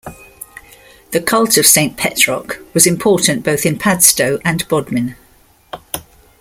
The cult of Saint Petroc was important both in Padstow and Bodmin.